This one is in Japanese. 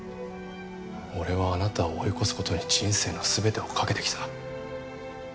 俺はあなたを追い越す事に人生の全てを懸けてきた。